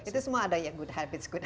itu semua ada ya good habits